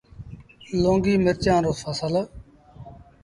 لونگيٚ مرچآݩ رو ڦسل